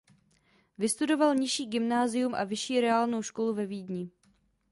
Vystudoval nižší gymnázium a vyšší reálnou školu ve Vídni.